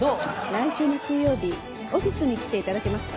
来週の水曜日オフィスに来ていただけますか？